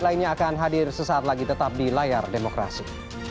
lainnya akan hadir sesaat lagi tetap di layar demokrasi